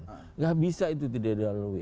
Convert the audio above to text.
tidak bisa itu tidak dilalui